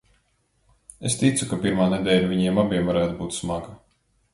Es ticu, ka pirmā nedēļa viņiem abiem varētu būt smaga.